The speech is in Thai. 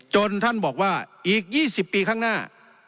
ท่านบอกว่าอีก๒๐ปีข้างหน้า